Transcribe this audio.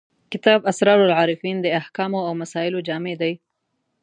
کتاب اسرار العارفین د احکامو او مسایلو جامع دی.